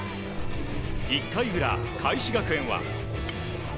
１回裏、開志学園は。